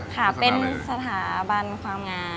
ค่ะเป็นสถาบันความงาม